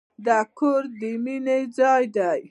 د کور د مينې ځاله ده.